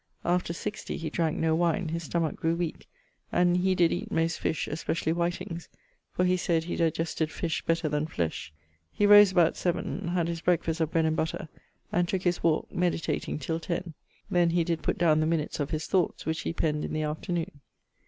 After sixty he dranke no wine, his stomach grew weak, and he did eate most fish, especially whitings, for he sayd he digested fish better then flesh. He rose about seaven, had his breakefast of bread and butter; and tooke his walke, meditating till ten; then he did putt downe the minutes of his thoughts, which he penned in the afternoon.